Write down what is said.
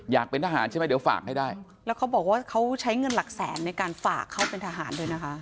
เป็นทหารใช่ไหมเดี๋ยวฝากให้ได้แล้วเขาบอกว่าเขาใช้เงินหลักแสนในการฝากเขาเป็นทหารเลยนะคะ